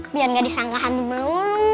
biar gak disangka hantu melulu